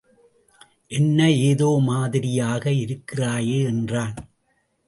என்ன ஏதோ மாதிரியாக இருக்கிறாயே? என்றான்.